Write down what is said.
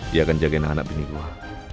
dia akan jagain anak bini gua